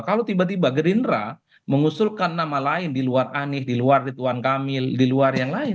kalau tiba tiba gerindra mengusulkan nama lain di luar anies di luar rituan kamil di luar yang lain